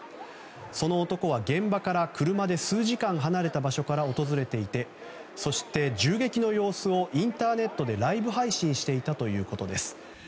その男は現場から車で数時間離れた場所から訪れていてそして銃撃の様子をインターネットでライブ配信していたということです。